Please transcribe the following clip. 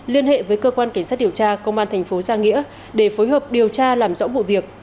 liên hệ với cơ quan cảnh sát điều tra công an thành phố giang nghĩa để phối hợp điều tra làm rõ vụ việc